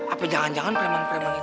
apa jangan jangan preman preman ini